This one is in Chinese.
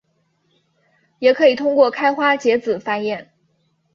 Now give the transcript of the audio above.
也可以通过开花结籽繁衍。